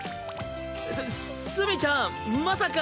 す墨ちゃんまさか。